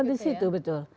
betul di situ betul